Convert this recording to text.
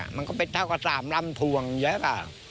มันก็เป็นเท่ากับสามลำถวงเยอะกะ